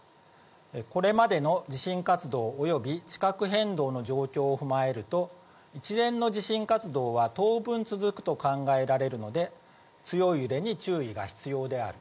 これまでの地震活動および地殻変動の状況を踏まえると、一連の地震活動は当分続くと考えられるので、強い揺れに注意が必要である。